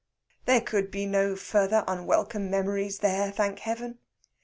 There could be no further unwelcome memories there, thank Heaven!